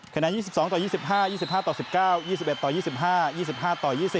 ณ๒๒ต่อ๒๕๒๕ต่อ๑๙๒๑ต่อ๒๕๒๕ต่อ๒๐